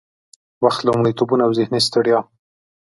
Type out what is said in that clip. وخت، لومړيتوبونه او ذهني ستړيا